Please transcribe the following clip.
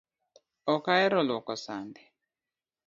Ok ahero luoko sande